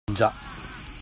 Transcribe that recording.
Già.